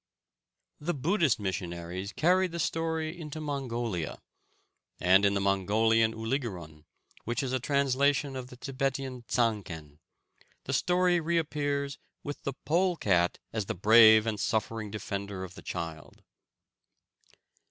The Buddhist missionaries carried the story into Mongolia, and in the Mongolian Uligerun, which is a translation of the Tibetian Dsanghen, the story reappears with the pole cat as the brave and suffering defender of the child.